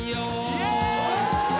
・イエーイ！